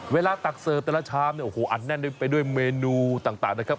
เวลาตักเสิร์ฟแต่ละชามอัดแน่นไปด้วยเมนูต่างนะครับ